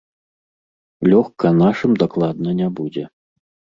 Лёгка нашым дакладна не будзе.